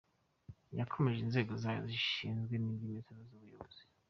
Yakomeje inzego zayo zishinzwe iby’imisoro n’iz’ubuyobozi.